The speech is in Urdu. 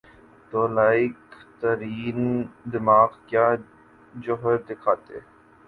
تو لائق ترین دماغ کیا جوہر دکھاتے؟